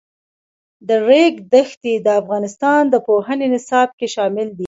د ریګ دښتې د افغانستان د پوهنې نصاب کې شامل دي.